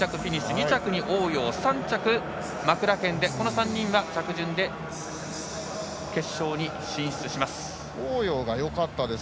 ２着に王洋３着、マクラケンでこの３人は着順で決勝に進出します。